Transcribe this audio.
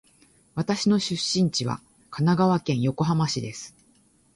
私の出身地は神奈川県横浜市です。